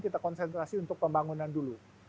kita konsentrasi untuk pembangunan dulu